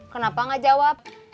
kenapa gak jawab